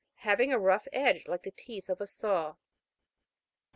Having a rough edge like the teeth of a saw.